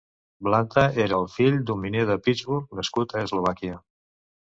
Blanda era el fill d'un miner de Pittsburgh nascut a Eslovàquia.